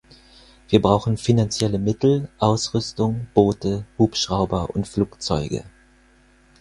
Wir brauchen finanzielle Mittel, Ausrüstung, Boote, Hubschrauber und Flugzeuge.